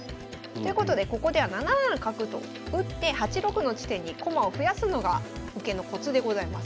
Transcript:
ということでここでは７七角と打って８六の地点に駒を増やすのが受けのコツでございます。